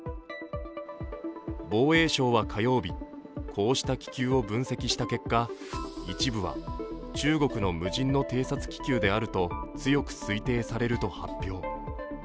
防衛省は火曜日、こうした気球を分析した結果、一部は中国の無人の偵察気球であると強く推定されると発表。